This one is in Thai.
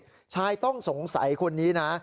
คุณผู้ชมต้องสงสัยคนนี้นะ